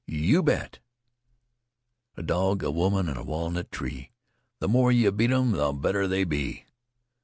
"You bet!" "A dog, a woman, an' a walnut tree, Th' more yeh beat 'em, th' better they be!